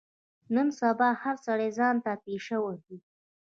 نن سبا هر سړی ځان ته تېشه وهي.